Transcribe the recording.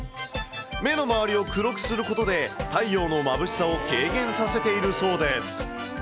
目の周りを黒くすることで、太陽のまぶしさを軽減させているそうです。